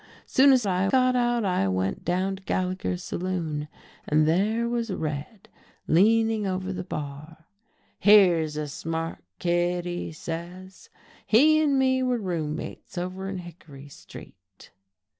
Soon as he got out I went down to Gallagher's saloon, and there was Red leaning over the bar. 'Here's a smart kid! he says, 'He and me were room mates over in Hickory Street.'